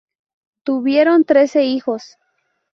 Tuvieron trece hijos.